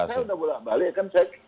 kalau saya udah balik balik kan saya